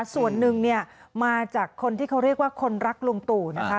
ส่วนหนึ่งเนี่ยมาจากคนที่เขาเรียกว่าคนรักลุงตู่นะคะ